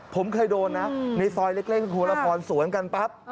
ผมเคยโดนนะในซอยเล็กครูละครสวนกันปั๊บ